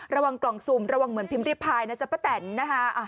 ระวังกล่องซุ่มระวังเหมือนพิมพ์ริพายนะจ๊ะป้าแตนนะคะ